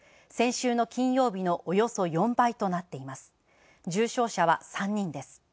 先週の金曜日のおよそ４倍となっています。